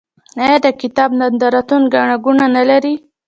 آیا د کتاب نندارتونونه ګڼه ګوڼه نلري؟